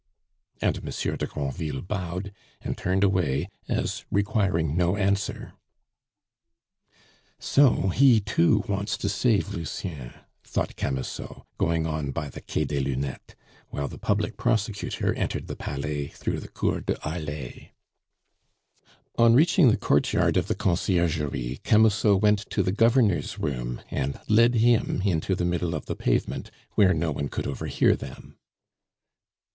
And Monsieur de Granville bowed, and turned away, as requiring no answer. "So he too wants to save Lucien!" thought Camusot, going on by the Quai des Lunettes, while the Public Prosecutor entered the Palais through the Cour de Harlay. On reaching the courtyard of the Conciergerie, Camusot went to the Governor's room and led him into the middle of the pavement, where no one could overhear them.